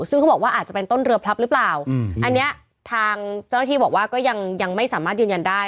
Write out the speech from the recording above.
ซึ่งเขาบอกว่าอาจจะเป็นต้นเรือพลับหรือเปล่าอันนี้ทางเจ้าหน้าที่บอกว่าก็ยังยังไม่สามารถยืนยันได้